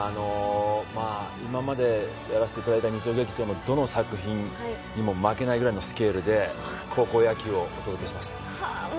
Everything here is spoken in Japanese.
今までやらせていただいた日曜劇場のどの作品にも負けないぐらいのスケールで高校野球をお届けします。